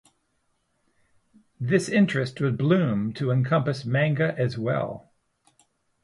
This interest would bloom to encompass manga as well.